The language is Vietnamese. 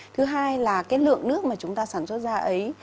thứ hai là cái lượng nước mà chúng ta sản xuất ra ấy